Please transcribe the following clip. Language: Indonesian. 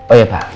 oh ya pak